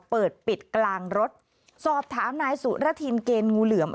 เปิดปิดกลางรถสอบถามนายสุรทินเกณฑ์งูเหลือม